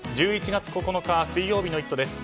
１１月９日、水曜日の「イット！」です。